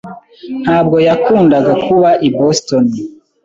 ntabwo yakundaga kuba i Boston.